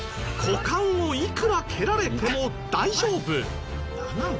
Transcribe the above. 股間をいくら蹴られても大丈夫。